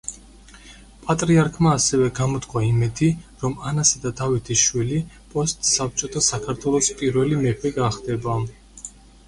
პატრიარქმა ასევე გამოთქვა იმედი, რომ ანასა და დავითის შვილი პოსტ-საბჭოთა საქართველოს პირველი მეფე გახდება.